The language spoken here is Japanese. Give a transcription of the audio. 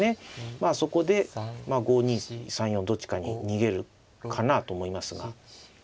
まあそこで５二３四どっちかに逃げるかなと思いますが。